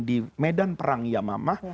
di medan perang yamamah